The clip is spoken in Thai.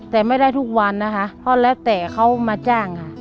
แต่ไม่ได้ทุกวันนะคะเพราะแล้วแต่เขามาจ้างค่ะ